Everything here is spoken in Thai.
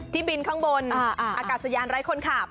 บินข้างบนอากาศยานไร้คนขับ